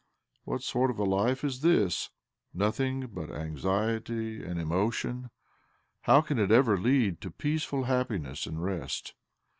What sort of a life is this? Nothing but j anxiety and emotion ! How can it ever lead to peaceful happiness and rest?"